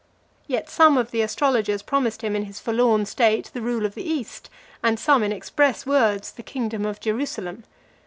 Yet some of the astrologers promised him, in his forlorn state, the rule of the East, and some in express words the kingdom of Jerusalem.